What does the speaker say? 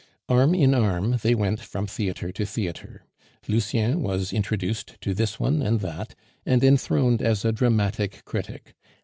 Arm in arm, they went from theatre to theatre. Lucien was introduced to this one and that, and enthroned as a dramatic critic.